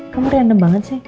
kamu rihana banget sih